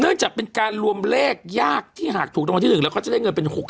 เนื่องจากเป็นการรวมเลขยากที่หากถูกตรงที่๑แล้วเขาจะได้เงินเป็น๖๐ล้านบาท